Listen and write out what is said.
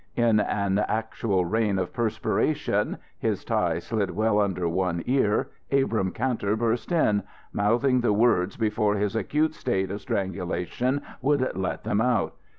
In an actual rain of perspiration, his tie slid well under one ear, Abrahm Kantor burst in, mouthing the words before his acute state of strangulation would let them out.